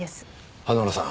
花村さん